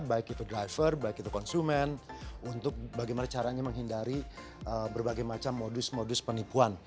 baik itu driver baik itu konsumen untuk bagaimana caranya menghindari berbagai macam modus modus penipuan